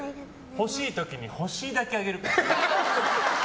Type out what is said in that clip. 欲しい時に欲しいだけあげるから。